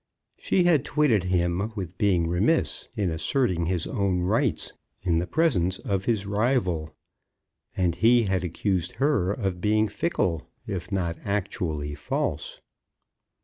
She had twitted him with being remiss in asserting his own rights in the presence of his rival, and he had accused her of being fickle, if not actually false.